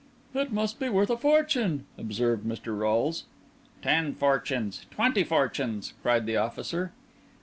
"It must be worth a fortune," observed Mr. Rolles. "Ten fortunes—twenty fortunes," cried the officer.